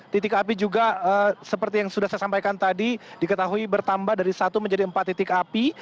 titik api juga seperti yang sudah saya sampaikan tadi diketahui bertambah dari satu menjadi empat titik api